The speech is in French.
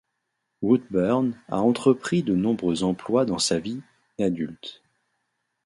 Woodburn a entrepris de nombreux emplois dans sa vie adulte.